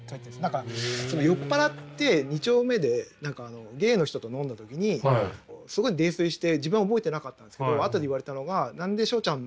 何か酔っ払って二丁目でゲイの人と飲んだ時にすごい泥酔して自分は覚えてなかったんですけどあとで言われたのが「何でしょうちゃん